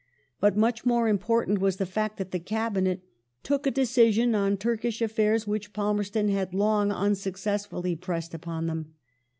But much more important was the fact that the Cabinet " took a decision on Turkish affairs which Palmerston had long unsuccessfully pressed upon them".